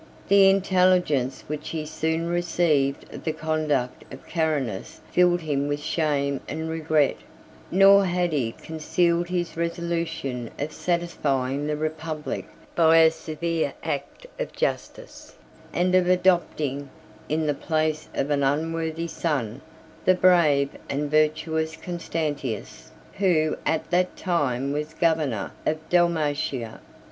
The intelligence which he soon received of the conduct of Carinus filled him with shame and regret; nor had he concealed his resolution of satisfying the republic by a severe act of justice, and of adopting, in the place of an unworthy son, the brave and virtuous Constantius, who at that time was governor of Dalmatia.